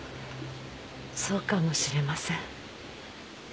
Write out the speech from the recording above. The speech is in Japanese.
そうかもしれません。